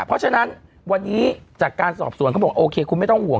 เพราะฉะนั้นวันนี้จากการสอบสวนเขาบอกโอเคคุณไม่ต้องห่วง